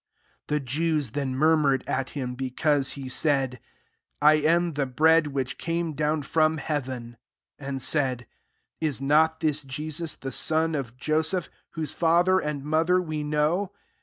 41 The Jews then murmur ed at him, because he said, ' I am the bread which came down from heaven :' 42 and said, " Is not this Jesus, the son of Joseph, whose father and mother we know